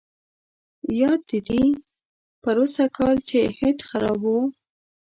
یاد دي دي پروسږ کال چې هیټ خراب وو.